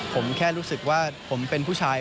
ผมแค่รู้สึกว่าผมเป็นผู้ชาย